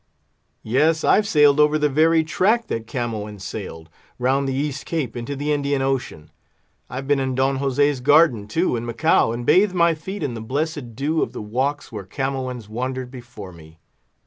Yes, I've sailed over the very track that Camoens sailed—round the East Cape into the Indian Ocean. I've been in Don Jose's garden, too, in Macao, and bathed my feet in the blessed dew of the walks where Camoens wandered before me.